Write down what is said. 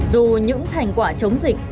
dù những thành quả chống dịch